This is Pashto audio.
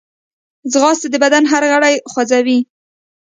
ځغاسته د بدن هر غړی خوځوي